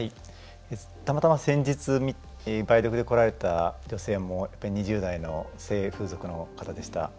たまたま先日梅毒で来られた女性もやっぱり２０代の性風俗の方でした。